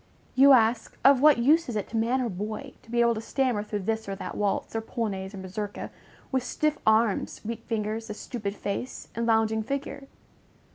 You ask, Of what use is it to man or boy to be able to stammer through this or that waltz, or polonaise or mazurka, with stiff arms, weak fingers, a stupid face, and lounging figure?